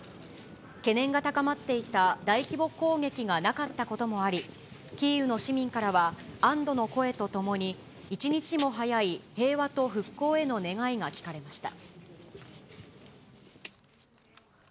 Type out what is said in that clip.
懸念が高まっていた大規模攻撃がなかったこともあり、キーウの市民からは、安どの声とともに、一日も早い平和と復興への願いが聞かれました。